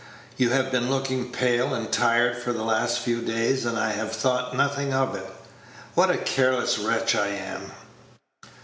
You have been looking pale and tired for the last few days, and I have thought nothing of it. What a careless wretch I am!"